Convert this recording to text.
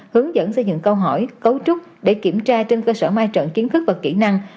hướng dẫn xây dựng câu hỏi cấu trúc để kiểm tra trên cơ sở mai trận kiến thức và kỹ năng